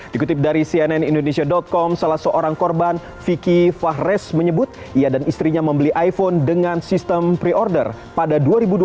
dikutip dari cnn indonesia com salah seorang korban vicky fahres menyebut ia dan istrinya membeli iphone dengan sistem pre order pada dua ribu dua puluh